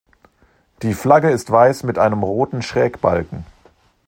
Die Flagge ist weiß mit einem roten Schrägbalken.